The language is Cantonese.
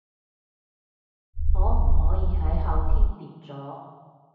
可唔可以係後天跌咗？